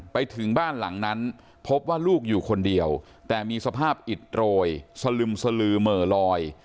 ไปถึงบ้านหลังนั้นพบว่าลูกอยู่คนเดียวแต่มีสภาพอิดโรยสลึมสลือเหม่อลอย